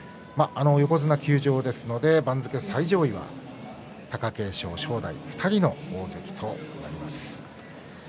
横綱休場ですので番付最上位は貴景勝、正代２人の大関となります。